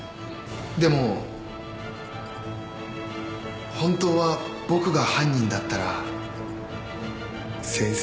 でも本当は僕が犯人だったら先生